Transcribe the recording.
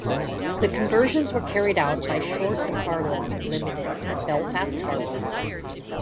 The conversions were carried out by Short and Harland Limited at Belfast Harbour.